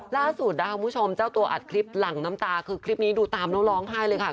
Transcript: ล่าสุดนะคะคุณผู้ชมเจ้าตัวอัดคลิปหลั่งน้ำตาคือคลิปนี้ดูตามแล้วร้องไห้เลยค่ะ